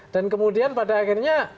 dan kemudian pada akhirnya